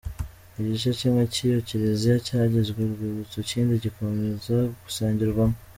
Igice kimwe cy’iyo kiliziya cyagizwe urwibutso ikindi gikomeza gusengerwamo.